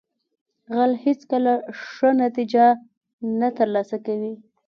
غل هیڅکله ښه نتیجه نه ترلاسه کوي